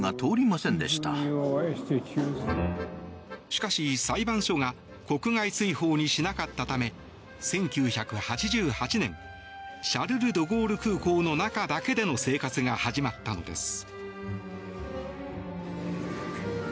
しかし、裁判所が国外追放にしなかったため１９８８年シャルル・ドゴール空港の中だけでの生活が始まったのです。